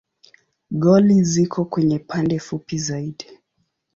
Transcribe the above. Goli ziko kwenye pande fupi zaidi.